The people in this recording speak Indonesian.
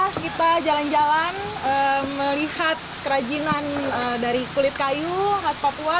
pas kita jalan jalan melihat kerajinan dari kulit kayu khas papua